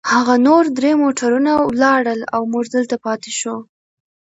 هغه نور درې موټرونه ولاړل، او موږ دلته پاتې شوو.